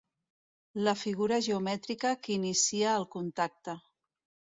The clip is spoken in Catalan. La figura geomètrica que inicia el contacte.